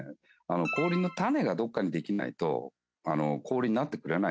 氷の種がどっかにできないと氷になってくれないんですね。